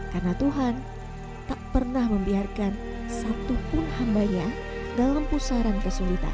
karena tuhan tak pernah membiarkan satu pun hambanya dalam pusaran kesulitan